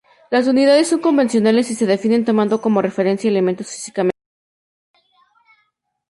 Las unidades son convencionales y se definen tomando como referencia elementos físicamente constantes.